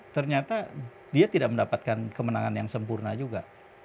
ternyata dia tidak mendapatkan kemenangan yang sempurna juga